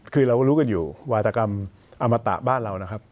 คือเรารู้กันอยู่วัตกรรมอมตะบ้านเรา